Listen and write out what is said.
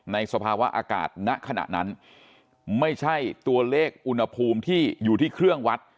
สภาวะอากาศณขณะนั้นไม่ใช่ตัวเลขอุณหภูมิที่อยู่ที่เครื่องวัด